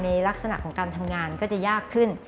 ลักษณะของการทำงานก็จะยากขึ้น